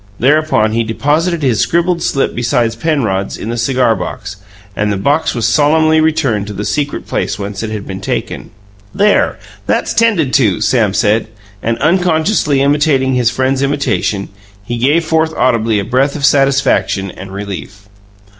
Thereupon he deposited his scribbled slip beside Penrod's in the cigarbox, and the box was solemnly returned to the secret place whence it had been taken. "There, THAT'S 'tended to!" Sam said, and, unconsciously imitating his friend's imitation, he gave forth audibly a breath of satisfaction and relief.